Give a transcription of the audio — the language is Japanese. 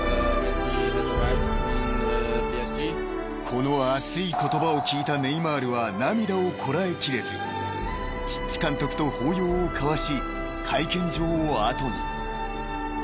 ［この熱い言葉を聞いたネイマールは涙をこらえきれずチッチ監督と抱擁を交わし会見場を後に］